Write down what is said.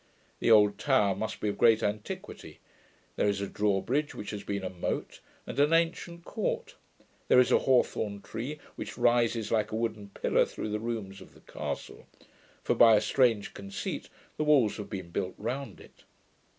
The old tower must be of great antiquity. There is a draw bridge, what has been a moat and an ancient court. There is a hawthorn tree, which rises like a wooden pillar through the rooms of the castle; for, by a strange conceit, the walls have been built round it.